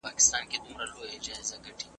د اوبو پر ځای متیازې کول یو نه هېرېدونکی درد و.